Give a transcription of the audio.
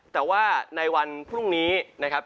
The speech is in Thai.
แต่ว่าในวันพรุ่งนี้นะครับ